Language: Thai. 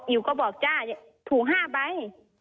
อิ๋วก็บอกจ๊ะถูก๕ใบ